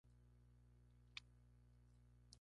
Es omnívoro: come semillas, zooplancton, insectos.